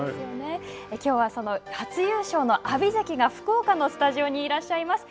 きょうはその初優勝の阿炎関が福岡のスタジオにいらっしゃいます。